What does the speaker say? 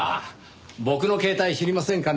僕の携帯知りませんかね？